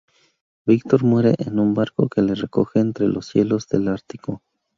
Víctor muere en un barco que le recoge entre los hielos del Ártico.